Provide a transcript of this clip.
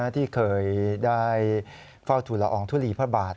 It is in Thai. ที่เคยได้เฝ้าทุลอองทุลีพระบาท